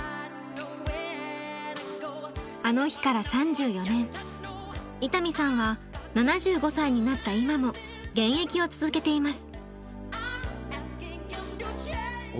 「あの日」から３４年伊丹さんは７５歳になった今も現役を続けています。